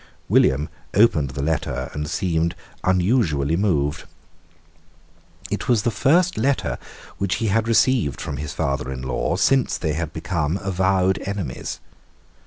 William opened the letter and seemed unusually moved. It was the first letter which he had received from his father in law since they had become avowed enemies.